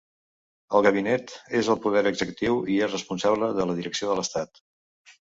El gabinet és el poder executiu i és responsable de la direcció de l'estat.